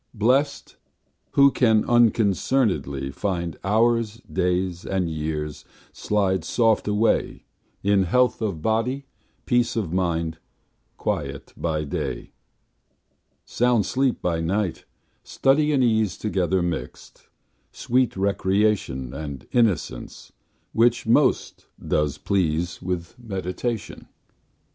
Blest, who can unconcern'dly find Hours, days, and years slide soft away In health of body, peace of mind, Quiet by day, Sound sleep by night; study and ease Together mixt, sweet recreation, And innocence, which most does please With meditation.